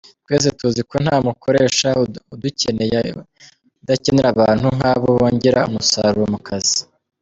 Twese tuziko ntamukoresha udakenera abantu nkabo bongera umusaruro mukazi.